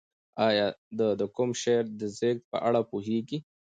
ایا ته د کوم شاعر د زېږد په اړه پوهېږې؟